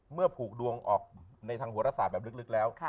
เมื่อผูกดวงออกในทางหัวราษาแบบลึกแล้ว